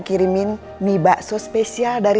terima kasih allah